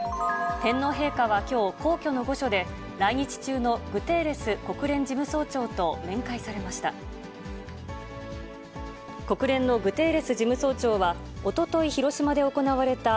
天皇陛下はきょう、皇居の御所で来日中のグテーレス国連事務総長と面会されました。